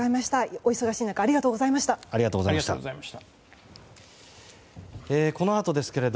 お忙しい中ありがとうございました。